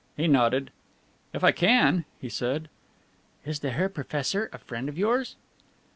He nodded. "If I can," he said. "Is the Herr Professor a friend of yours?"